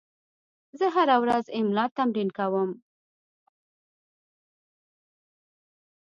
زه هره ورځ املا تمرین کوم.